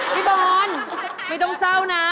พี่บอลไม่ต้องเศร้านะ